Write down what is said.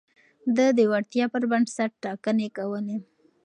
ده د وړتيا پر بنسټ ټاکنې کولې.